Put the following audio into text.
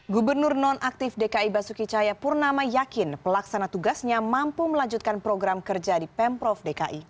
gubernur non aktif dki basuki cahayapurnama yakin pelaksana tugasnya mampu melanjutkan program kerja di pemprov dki